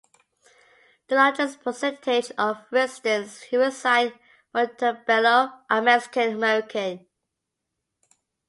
The largest percentage of residents who reside in Montebello are Mexican-American.